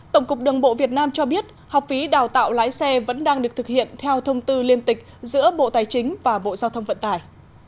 tổng cục đường bộ việt nam cho biết học phí đào tạo lái xe vẫn đang được thực hiện theo thông tư liên tịch giữa bộ tài chính và bộ giao thông vận tải